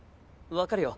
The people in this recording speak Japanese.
分かるよ。